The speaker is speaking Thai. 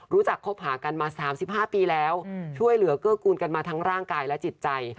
คบหากันมา๓๕ปีแล้วช่วยเหลือเกื้อกูลกันมาทั้งร่างกายและจิตใจ